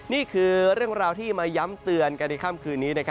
นี่คือเรื่องราวที่มาย้ำเตือนกันในค่ำคืนนี้